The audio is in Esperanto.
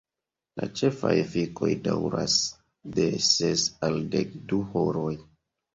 La ĉefaj efikoj daŭras de ses al dekdu horoj.